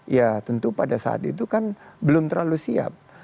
ya tentu pada saat itu kan belum terlalu siap